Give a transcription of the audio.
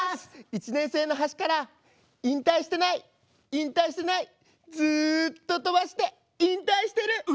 １年生の端から引退してない引退してないずっと飛ばして引退してる。